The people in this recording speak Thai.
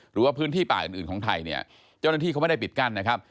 หรือว่าพื้นที่ป่าอื่นอื่นของไทยเนี่ยเจ้าหน้าที่เขาไม่ได้ปิดกั้นนะครับ